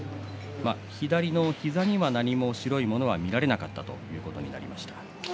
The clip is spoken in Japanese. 左の膝には何も白いものは見られなかったということです。